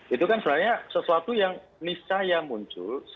itu kan sebenarnya sesuatu yang niscaya muncul